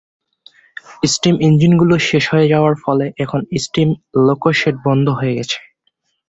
Steam ইঞ্জিনগুলি শেষ হয়ে যাওয়ার ফলে এখন স্টিম লোকো শেড বন্ধ হয়ে গেছে।